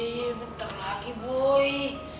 bentar lagi boy